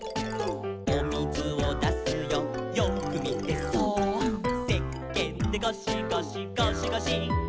「おみずをだすよよーくみてそーっ」「せっけんでゴシゴシゴシゴシ」